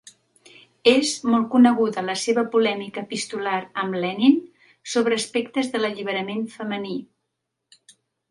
És molt coneguda la seva polèmica epistolar amb Lenin sobre aspectes de l'alliberament femení.